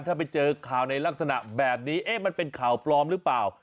ถ้าไปเจอข่าวในลักษณะแบบนี้เอ๊ะมันเป็นข่าวปลอมหรือเปล่า